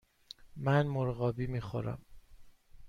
من مرغابی می خورم.